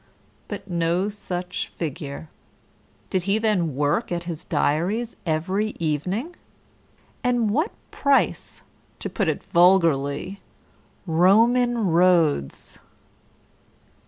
But no such figure. Did he then work at his diaries every evening? And what price, to put it vulgarly, Roman roads?